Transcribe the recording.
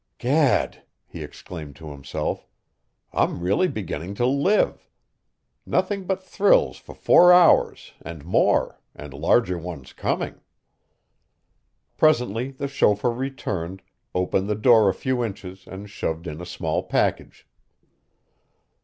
"Gad!" he exclaimed to himself, "I'm really beginning to live. Nothing but thrills for four hours and more and larger ones coming." Presently the chauffeur returned, opened the door a few inches and shoved in a small package.